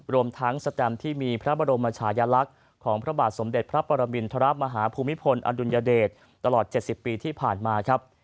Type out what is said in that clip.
รวมทั้งสแตมที่มีพระบรมชายลักษณ์ของพระบาทสมเด็จพระปรมินทรมาฮภูมิพลอดุลยเดชตลอด๗๐ปีที่ผ่านมาครับ